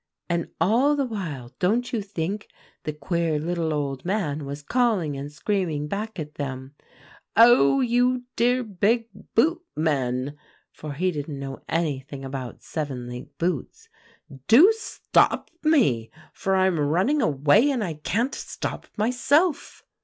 "And all the while, don't you think, the queer little old man was calling and screaming back at them, 'Oh! you dear big boot men,' for he didn't know anything about seven league boots, 'do stop me, for I'm running away, and I can't stop myself.